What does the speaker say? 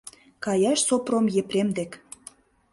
Каяш Сопром Епрем дек.